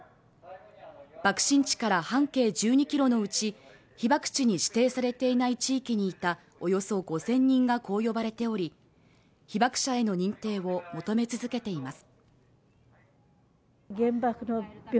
爆心地から半径１２ｋｍのうち被爆地に指定されていない地域にいたおよそ５０００人がこう呼ばれており被爆者への認定を求め続けています